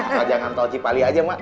atau jangan tol cipali aja mak